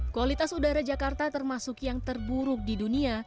kualitas udara jakarta termasuk yang terburuk di dunia